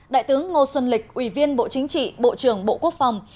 đại tướng ngô xuân lịch ủy viên bộ chính trị bộ trưởng bộ quốc phòng